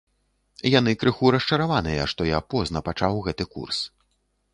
Яны крыху расчараваныя, што я позна пачаў гэты курс.